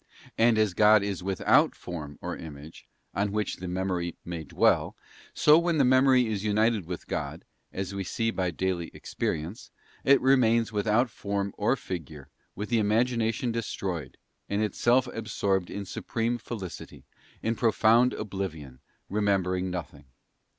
And as God is without form or image, on which the memory may dwell, so when the Memory is united with God—as we see by daily experience —it remains without form or figure, with the imagination destroyed, and itself absorbed in supreme felicity, in profound oblivion, remembering nothing.